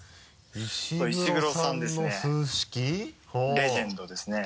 レジェンドですね。